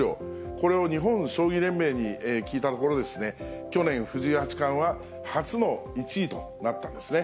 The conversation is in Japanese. これを日本将棋連盟に聞いたところですね、去年、藤井八冠は初の１位となったんですね。